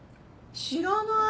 知らない。